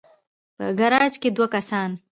په ګراج کې دوه کسان